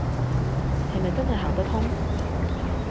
係咪真係行得通